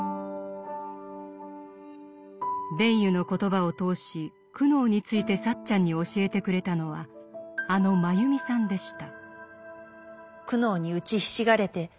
ヴェイユの言葉を通し「苦悩」についてサッチャンに教えてくれたのはあのマユミさんでした。